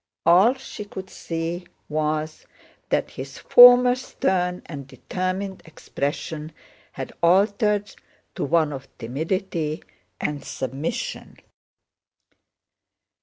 All she could see was that his former stern and determined expression had altered to one of timidity and submission.